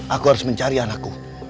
aku harus mencari anakku